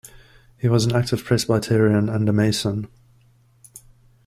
He was an active Presbyterian and a Mason.